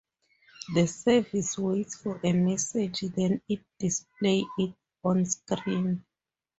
The service waits for a message, then it displays it onscreen.